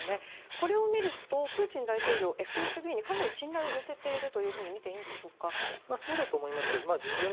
これを見ると、プーチン大統領はＦＳＢにかなり信頼を寄せているというふうにそうだと思います。